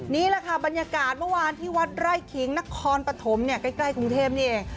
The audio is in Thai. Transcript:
นี่แหละค่ะบรรยากาศเมื่อวานที่วัดไร่ขิงนครปฐมเนี่ยใกล้กรุงเทพนี่เอง